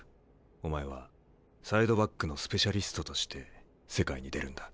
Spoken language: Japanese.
お前はサイドバックのスペシャリストとして世界に出るんだ。